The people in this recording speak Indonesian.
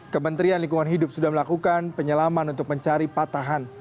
kementerian lingkungan hidup sudah melakukan penyelaman untuk mencari patahan